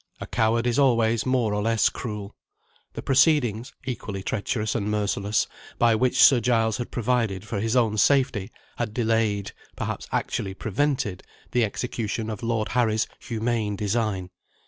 A coward is always more or less cruel. The proceedings (equally treacherous and merciless) by which Sir Giles had provided for his own safety, had delayed perhaps actually prevented the execution of Lord Harry's humane design.